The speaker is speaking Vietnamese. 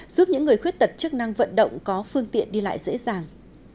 giúp những người khuyết tật chức năng vận động có phương tiện đi lại dễ dàng